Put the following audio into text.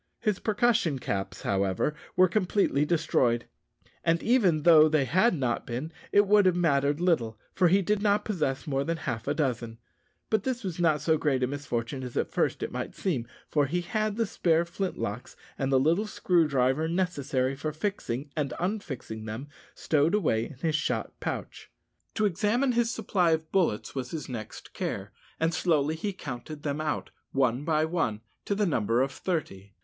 His percussion caps, however, were completely destroyed; and even though they had not been, it would have mattered little, for he did not possess more than half a dozen. But this was not so great a misfortune as at first it might seem, for he had the spare flint locks and the little screw driver necessary for fixing and unfixing them stowed away in his shot pouch. To examine his supply of bullets was his next care, and slowly he counted them out, one by one, to the number of thirty.